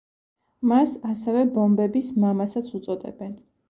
მას ასევე ბომბების მამასაც უწოდებენ.